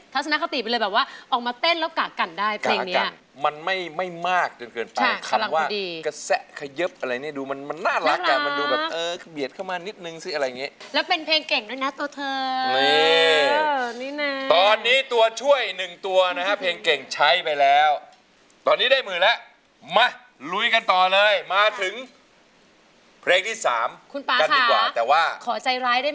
คุณป่าคุณป่าคุณป่าคุณป่าคุณป่าคุณป่าคุณป่าคุณป่าคุณป่าคุณป่าคุณป่าคุณป่าคุณป่าคุณป่าคุณป่าคุณป่าคุณป่าคุณป่าคุณป่าคุณป่าคุณป่าคุณป่าคุณป่าคุณป่าคุณป่าคุณป่าคุณป่าคุณป่าคุณป่าคุณป่าคุณป่าคุณป